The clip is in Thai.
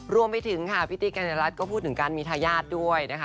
รวมไปถึงค่ะพี่ติ๊กกัญญารัฐก็พูดถึงการมีทายาทด้วยนะคะ